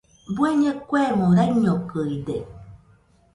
Bueñe kuemo raiñokɨide